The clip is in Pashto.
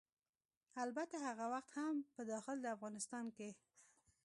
البته هغه وخت هم په داخل د افغانستان کې